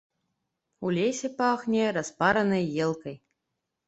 У лесе пахне распаранай елкай.